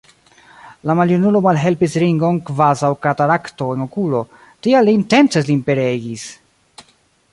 La maljunulo malhelpis Ringon kvazaŭ katarakto en okulo, tial li intence lin pereigis!